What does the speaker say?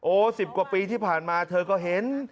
๑๐กว่าปีที่ผ่านมาเธอก็เห็น